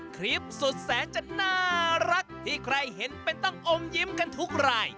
คลิปสุดแสนจะน่ารักที่ใครเห็นเป็นต้องอมยิ้มกันทุกราย